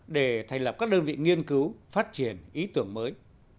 để thành lập các đơn vị nghiên cứu phát triển ý tưởng mới